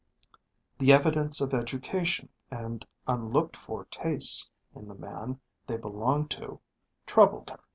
The evidence of education and unlooked for tastes in the man they belonged to troubled her.